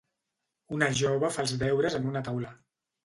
Una jove fa els deures en una taula.